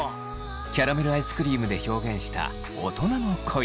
キャラメルアイスクリームで表現した大人の恋。